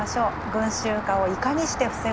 群衆化をいかにして防ぐのか。